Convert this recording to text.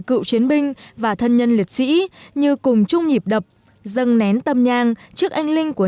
cựu chiến binh và thân nhân liệt sĩ như cùng chung nhịp đập dâng nén tâm nhang trước anh linh của